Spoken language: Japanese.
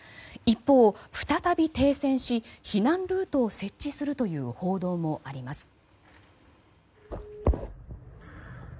一方、再び停戦し避難ルートを設置するという報道もあります。